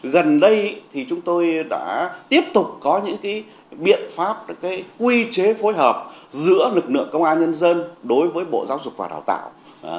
gần đây thì chúng tôi đã tiếp tục có những biện pháp quy chế phối hợp giữa lực lượng công an nhân dân đối với bộ giáo dục và đào tạo